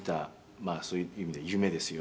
まあそういう意味では夢ですよね。